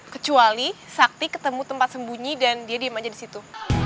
kecuali sakti ketemu tempat sembunyi dan dia diam aja disitu